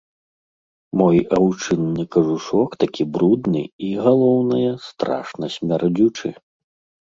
Мой аўчынны кажушок такі брудны і, галоўнае, страшна смярдзючы.